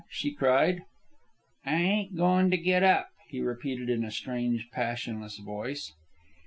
she cried. "I ain't goin' to git up," he repeated in a strange, passionless voice.